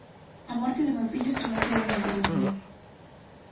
A morte de meu fillo estremeceu o meu corazón.